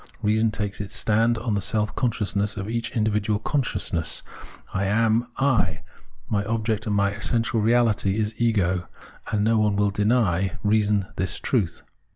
Reason takes its stand on the self conscious ness of each individual consciousness : I am I, my object and my essential reahty is ego ; and no one will deny reason this truth.